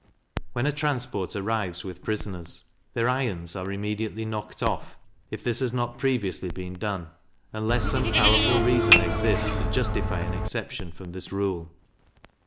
When a transport arrives with prisoners, their irons are immediately knocked off (if this has not been previously done), unless some powerful reason exists to justify an exception from this rule.